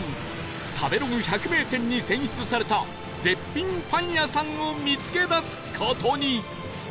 食べログ百名店に選出された絶品パン屋さんを見つけ出す事に！